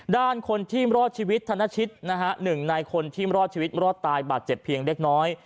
ด้านคนที่รอดชีวิตธนชิตนะฮะหนึ่งในคนที่รอดชีวิตรอดตายบาดเจ็บเพียงเล็กน้อย